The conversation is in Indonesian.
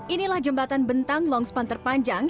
inilah jembatan bentang longspan terpanjang